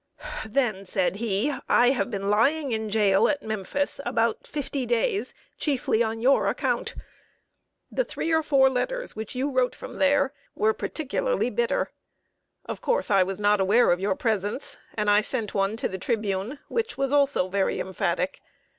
] "Then," said he, "I have been lying in jail at Memphis about fifty days chiefly on your account! The three or four letters which you wrote from there were peculiarly bitter. Of course, I was not aware of your presence, and I sent one to The Tribune, which was also very emphatic.